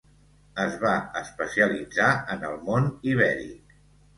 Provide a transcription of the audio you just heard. Es va especialitzar en el món ibèric.